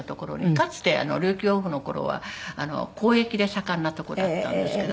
かつて琉球王府の頃は交易で盛んなとこだったんですけど。